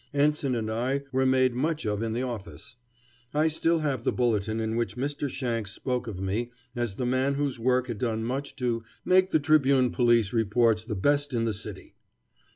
Ensign and I were made much of in the office. I have still the bulletin in which Mr. Shanks spoke of me as the man whose work had done much to "make the Tribune police reports the best in the city."